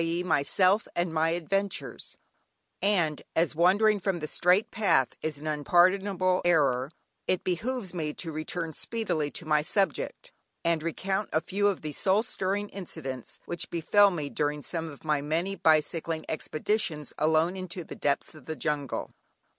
e._, myself and my adventures, and as wandering from the straight path is an unpardonable error, it behoves me to return speedily to my subject, and recount a few of the soul stirring incidents which befell me during some of my many bicycling expeditions alone into the depths of the jungle.